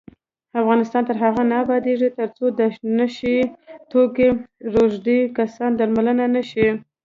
افغانستان تر هغو نه ابادیږي، ترڅو د نشه یي توکو روږدي کسان درملنه نشي.